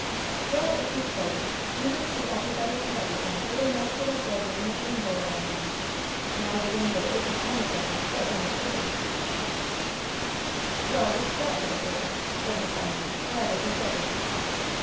"Well, if you should, you would see everybody and everything with a nice little bordering of rainbow around them; now the rainbow isn't on the things, but in the prism." "Well, what's that to the purpose?" said Miss Emily, rather bewildered.